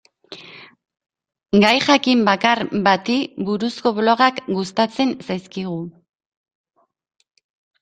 Gai jakin bakar bati buruzko blogak gustatzen zaizkigu.